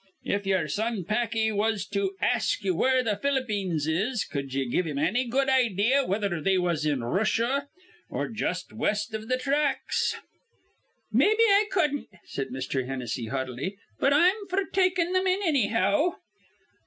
If yer son Packy was to ask ye where th' Ph'lippeens is, cud ye give him anny good idea whether they was in Rooshia or jus' west iv th' thracks?" "Mebbe I cudden't," said Mr. Hennessy, haughtily, "but I'm f'r takin' thim in, annyhow."